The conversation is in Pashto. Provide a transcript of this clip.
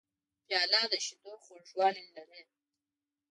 پیاله د شیدو خوږوالی لري.